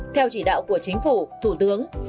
theo chỉ đạo của chính phủ thủ tướng